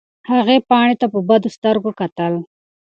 هغې پاڼې ته په بدو سترګو کتل.